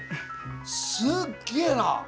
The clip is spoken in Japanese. すっげえな！